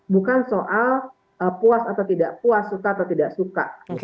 bukan soal puas atau tidak puas suka atau tidak suka